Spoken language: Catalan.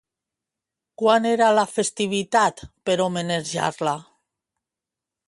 Quan era la festivitat per homenejar-la?